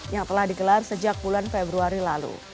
yang telah digelar sejak bulan februari lalu